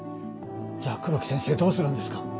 じゃあ黒木先生どうするんですか。